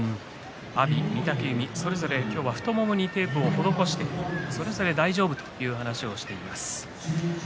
阿炎、御嶽海それぞれ太ももにテープを施してそれぞれ大丈夫ですという話をしていました。